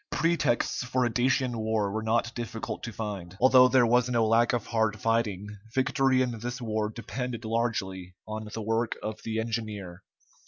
Pretexts for a Dacian war were not difficult to find. Although there was no lack of hard fighting, victory in this war depended largely on the work of the engineer.